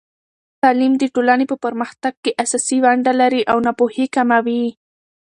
تعلیم د ټولنې په پرمختګ کې اساسي ونډه لري او ناپوهي کموي.